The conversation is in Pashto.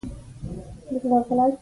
انډولیزي یا پر عدالت ولاړې ونډې.